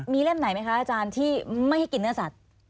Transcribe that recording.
มีเล่มไหนไหมคะอาจารย์ที่ไม่ให้กินเนื้อสัตว์